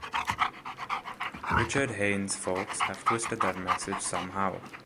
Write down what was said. Richard Haynes’s folks have twisted that message somehow.